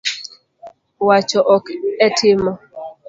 Wacho ok e timo